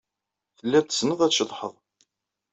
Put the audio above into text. Telliḍ tessneḍ ad tceḍḥeḍ.